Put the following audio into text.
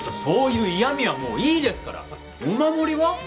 そういう嫌味はもういいですからお守りは？